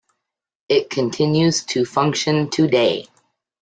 It continues to function today.